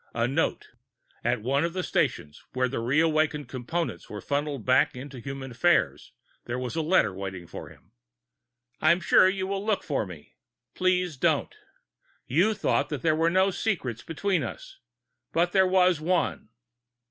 A note. At one of the stations where the re awakened Components were funneled back into human affairs, there was a letter waiting for him: _I'm sure you will look for me. Please don't. You thought that there were no secrets between us, but there was one.